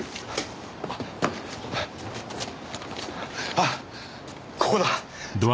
あっここだ。